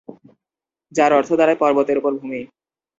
যার অর্থ দাঁড়ায় পর্বতের উপর ভূমি।